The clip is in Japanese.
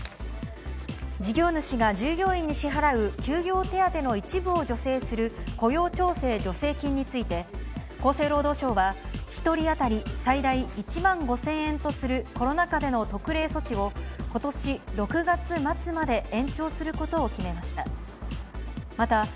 事業主が従業員に支払う休業手当の一部を助成する雇用調整助成金について、厚生労働省は、１人当たり最大１万５０００円とするコロナ禍での特例措置を、ことし６月末まで延長することを決めました。